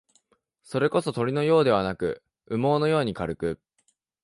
それこそ、鳥のようではなく、羽毛のように軽く、